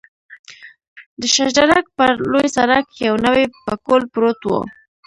د شش درک پر لوی سړک یو نوی پکول پروت و.